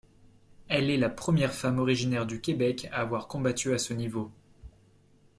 Elle est la première femme originaire du Québec à avoir combattu à ce niveau.